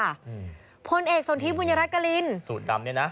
อืมพลเอกสนทิพบุญรัฐกรินสูตรดำเนี้ยน่ะ